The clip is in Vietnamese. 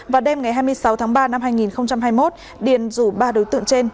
vào đêm ngày hai mươi sáu tháng ba năm hai nghìn hai mươi một điền rủ ba đối tượng trên